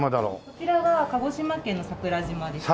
こちらは鹿児島県の桜島ですね。